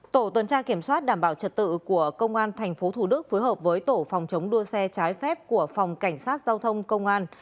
tổ tuần tra kiểm soát đảm bảo trật tự của công an tp thủ đức phối hợp với tổ phòng chống đua xe trái phép của phòng cảnh sát giao thông công an